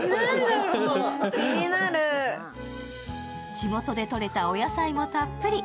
地元でとれたお野菜もたっぷり。